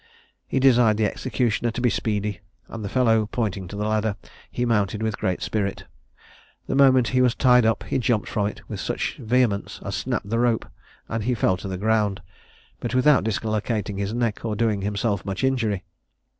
He desired the executioner to be speedy; and the fellow pointing to the ladder, he mounted with great spirit. The moment he was tied up he jumped from it with such vehemence as snapped the rope, and he fell to the ground, but without dislocating his neck, or doing himself much injury.